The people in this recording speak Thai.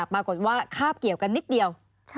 ปรากฏว่าคาบเกี่ยวกันนิดเดียว